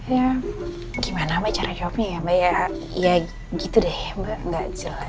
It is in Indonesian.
ya gimana mbak cara shopnya ya mbak ya gitu deh mbak nggak jelas